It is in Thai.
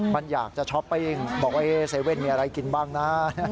มันอยากจะช้อปปิ้งบอกว่าเซเว่นมีอะไรกินบ้างนะ